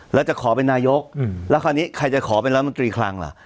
แล้วจะขอเป็นนายกแล้วคราวนี้ใครจะขอเป็นรัฐมนตรีคลังล่ะ